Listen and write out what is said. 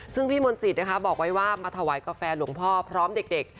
ซึ่งพี่มนต์สิตบอกไว้ว่าเมื่อทะวายกาแฟหลวงพ่อพร้อมเด็ก